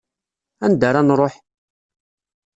Anda ara nruḥ?